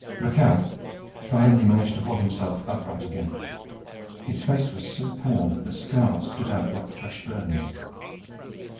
Rakhal finally managed to haul himself upright again. His face was so pale that the scars stood out like fresh burns.